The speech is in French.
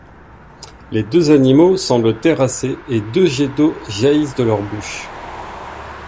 Les deux animaux semblent terrassés et deux jets d'eau jaillissent de leurs bouches.